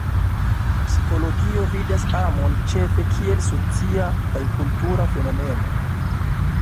Psikologio vidas amon ĉefe kiel socia kaj kultura fenomeno.